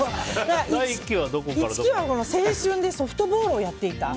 １期は青春でソフトボールをやっていた。